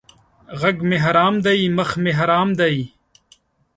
ږغ مې حرام دی مخ مې حرام دی!